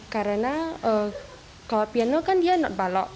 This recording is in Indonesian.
karena kalau piano kan dia not balok